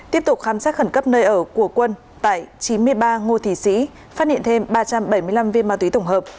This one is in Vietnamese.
tiếp tục khám xét khẩn cấp nơi ở của quân tại chín mươi ba ngô thị sĩ phát hiện thêm ba trăm bảy mươi năm viên ma túy tổng hợp